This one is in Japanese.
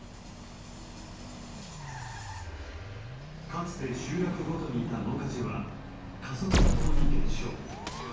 かつて集落ごとにいた野鍛冶は過疎化とともに減少。